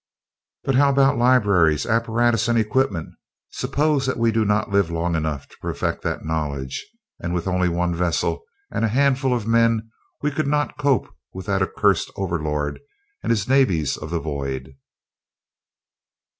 "But how about libraries, apparatus and equipment? Suppose that we do not live long enough to perfect that knowledge? And with only one vessel and a handful of men we could not cope with that accursed Overlord and his navies of the void."